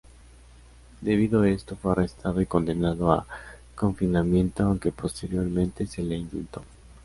Debido a esto fue arrestado y condenado a confinamiento, aunque posteriormente se le indultó.